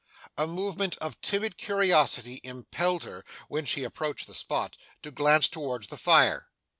A movement of timid curiosity impelled her, when she approached the spot, to glance towards the fire.